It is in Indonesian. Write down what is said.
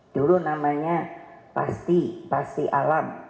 dulu namanya pasti pasti alam